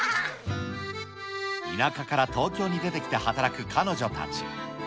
田舎から東京に出てきて働く彼女たち。